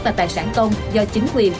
là tài sản tôn do chính quyền